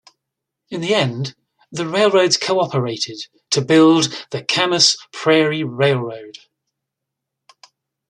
In the end, the railroads co-operated to build the Camas Prairie Railroad.